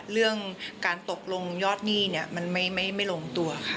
เรื่องการตกลงยอดหนี้เนี่ยมันไม่ลงตัวค่ะ